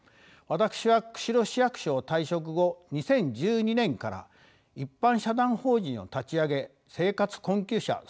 私は釧路市役所を退職後２０１２年から一般社団法人を立ち上げ生活困窮者